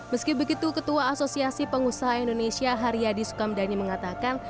meski begitu ketua asosiasi pengusaha indonesia haryadi sukamdhani mengatakan